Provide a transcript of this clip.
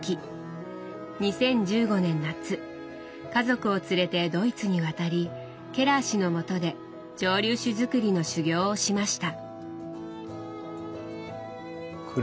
２０１５年夏家族を連れてドイツに渡りケラー氏のもとで蒸留酒づくりの修業をしました。